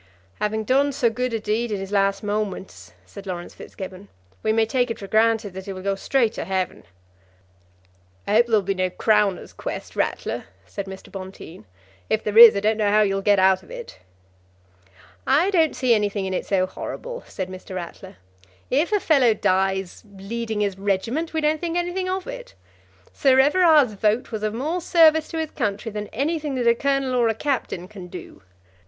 "Having done so good a deed in his last moments," said Laurence Fitzgibbon, "we may take it for granted that he will go straight to heaven." "I hope there will be no crowner's quest, Ratler," said Mr. Bonteen; "if there is I don't know how you'll get out of it." "I don't see anything in it so horrible," said Mr. Ratler. "If a fellow dies leading his regiment we don't think anything of it. Sir Everard's vote was of more service to his country than anything that a colonel or a captain can do."